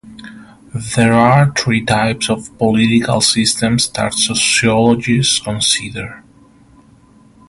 There are three types of political systems that sociologists consider.